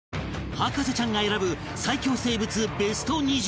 博士ちゃんが選ぶ最恐生物ベスト２０